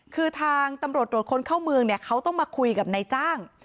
คือทางตำรวจตรวจคนเข้าเมืองเนี่ยเขาต้องมาคุยกับนายจ้าง